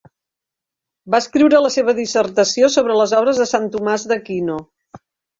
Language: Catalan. Va escriure la seva dissertació sobre les obres de Sant Tomàs d'Aquino.